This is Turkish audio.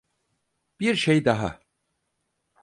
Bir şey daha.